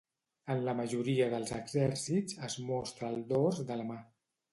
En la majoria dels exèrcits, es mostra el dors de la mà.